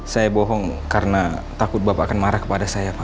saya bohong karena takut bapak akan marah kepada saya pak